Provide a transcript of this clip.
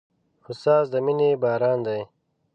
استاد د مینې باران دی.